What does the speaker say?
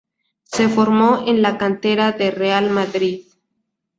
Se formó en la cantera del Real Madrid.